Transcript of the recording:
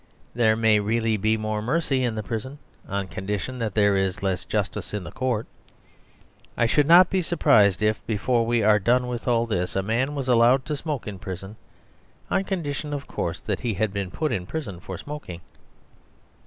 There may really be more mercy in the Prison, on condition that there is less justice in the Court. I should not be surprised if, before we are done with all this, a man was allowed to smoke in prison, on condition, of course, that he had been put in prison for smoking.